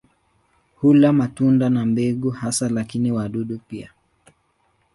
Hula matunda na mbegu hasa lakini wadudu pia.